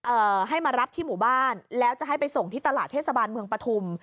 ให้มารับที่หมู่บ้านแล้วจะให้ไปส่งที่ตลาดเทศบาลเมืองปฐุม